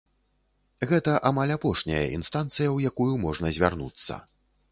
Гэта амаль апошняя інстанцыя, у якую можна звярнуцца.